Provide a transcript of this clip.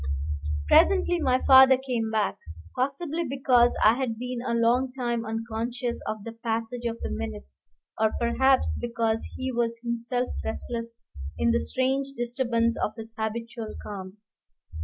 Presently my father came back, possibly because I had been a long time unconscious of the passage of the minutes, or perhaps because he was himself restless in the strange disturbance of his habitual calm.